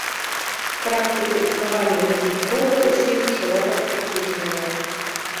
Практыка існавання такіх фондаў у свеце шырока распаўсюджаная.